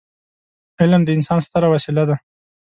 علم د انسان ستره وسيله ده.